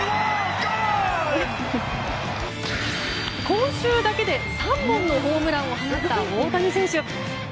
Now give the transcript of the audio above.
今週だけで３本のホームランを放った大谷選手。